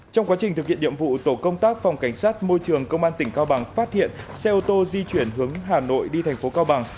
trong quá trình thực hiện nhiệm vụ tổ công tác phòng cảnh sát môi trường công an tỉnh cao bằng phát hiện xe ô tô di chuyển hướng hà nội đi thành phố cao bằng